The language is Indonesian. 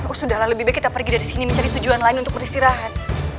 oh sudahlah lebih baik kita pergi dari sini mencari tujuan lain untuk beristirahat